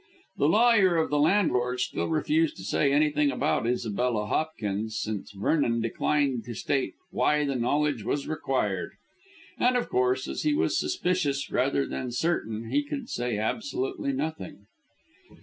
The lawyer of the landlord still refused to say anything about Isabella Hopkins since Vernon declined to state why the knowledge was required. And, of course, as he was suspicious rather than certain he could say absolutely nothing.